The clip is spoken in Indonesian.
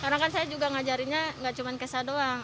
karena kan saya juga ngajarinya gak cuma kesa doang